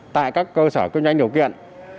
tại các cơ sở kinh doanh điều kiện